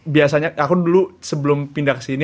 biasanya aku dulu sebelum pindah kesini